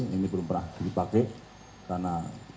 ini belum pernah dipakai karena